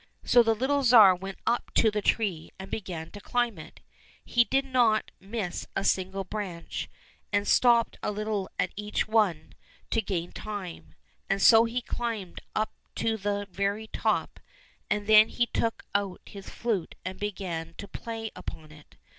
So the little Tsar went up to the tree, and began to climb it ; he did not miss a single branch, and stopped a little at each one to gain time, and so he climbed up to the very top, and then he took out his flute and began to play upon it.